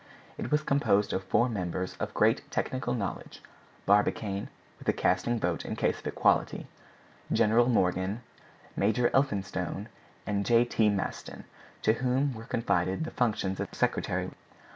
It was composed of four members of great technical knowledge, Barbicane (with a casting vote in case of equality), General Morgan, Major Elphinstone, and J. T. Maston, to whom were confided the functions of secretary.